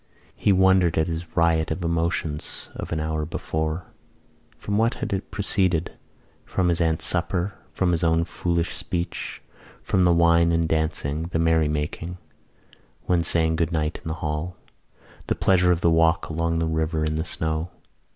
He wondered at his riot of emotions of an hour before. From what had it proceeded? From his aunt's supper, from his own foolish speech, from the wine and dancing, the merry making when saying good night in the hall, the pleasure of the walk along the river in the snow.